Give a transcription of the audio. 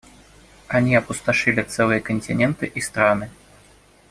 Они опустошили целые континенты и страны.